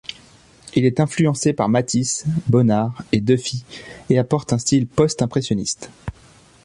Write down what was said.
Il est influencé par Matisse, Bonnard, et Dufy et adopte un style post-impressionniste.